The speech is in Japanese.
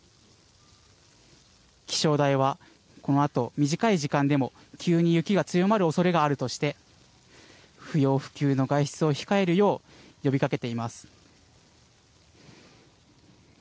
気象台はこのあと短い時間でも急に雪が強まるおそれがあるとして不要不急の外出を控えるよう呼びかけています。